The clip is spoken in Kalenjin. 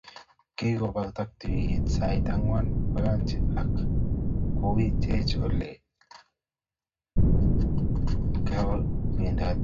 Kingopata tuiyet sait angwan, koyonchin ak kowirchi Ole loo akeobe poroindonyi